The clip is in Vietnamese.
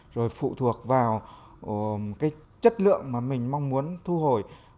rồi phụ thuộc vào cái chất lượng mà mình mong muốn thu hồi